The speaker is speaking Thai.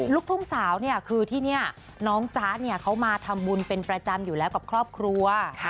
ลูกทุ่งสาวเนี่ยคือที่นี่น้องจ๊ะเนี่ยเขามาทำบุญเป็นประจำอยู่แล้วกับครอบครัว